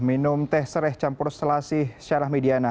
minum teh serai campur selasih secara mediana